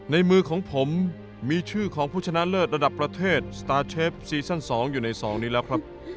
ในมือของผมมีชื่อของผู้ชนะเลิศระดับประเทศสตาร์เชฟซีซั่น๒อยู่ใน๒นี้แล้วครับ